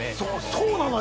そうなのよ。